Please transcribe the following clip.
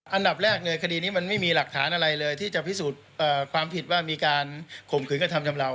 อันดับแรกเลยคดีนี้มันไม่มีหลักฐานอะไรเลยที่จะพิสูจน์ความผิดว่ามีการข่มขืนกระทำชำราว